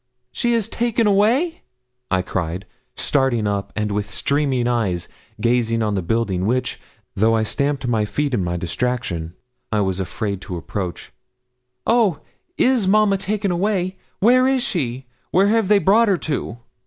'She is taken away!' I cried, starting up, and with streaming eyes, gazing on the building which, though I stamped my feet in my distraction, I was afraid to approach. 'Oh, is mamma taken away? Where is she? Where have they brought her to?'